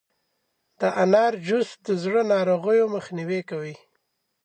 د انار جوس د زړه د ناروغیو مخنیوی کوي.